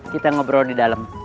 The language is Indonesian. kita ngobrol di dalam